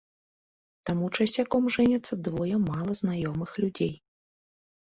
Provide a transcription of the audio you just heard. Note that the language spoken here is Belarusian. Таму часцяком жэняцца двое мала знаёмых людзей.